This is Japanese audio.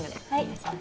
はい。